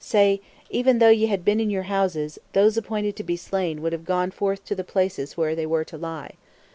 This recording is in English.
Say: Even though ye had been in your houses, those appointed to be slain would have gone forth to the places where they were to lie.